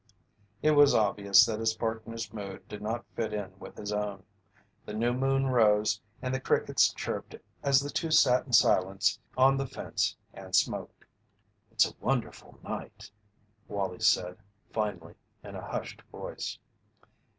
It was obvious that his partner's mood did not fit in with his own. The new moon rose and the crickets chirped as the two sat in silence on the fence and smoked. "It's a wonderful night!" Wallie said, finally, in a hushed voice.